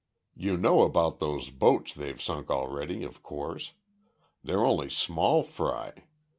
You know about those boats they've sunk already, of course. They're only small fry.